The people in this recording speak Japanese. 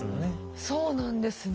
そうなんです。